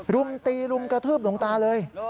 รุมตีรุมกระทืบหลวงตาเลย